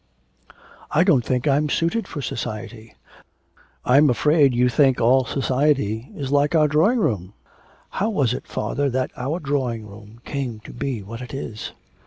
'I don't think I'm suited for society.' 'I'm afraid you think that all society is like our drawing room?' 'How was it, father, that our drawing room came to be what it is?'